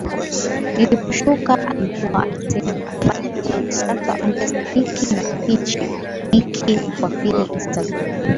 niliposhuka alikuwa anasema umefanya vizuri sasa ongeza hiki na hichi Nikki wa pili Instagram